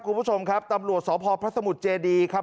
คุณผู้ชมครับตำรวจสพพระสมุทรเจดีครับ